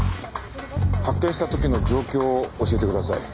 発見した時の状況を教えてください。